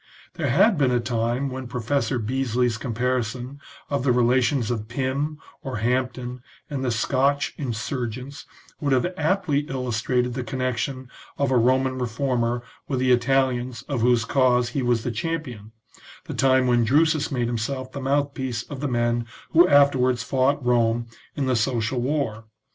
There had been a time when Professor Beesly's comparison of the relations of Pym, or Hampden, and the Scotch insurgents would have aptly illustrated the connection of a Roman reformer with the Italians of whose cause he was the champion, the time when Drusus made himself the mouthpiece of the men who afterwards fought Rome in the social war.